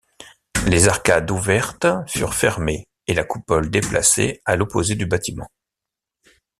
Les arcades ouvertes furent fermées et la coupole déplacée à l'opposé du bâtiment.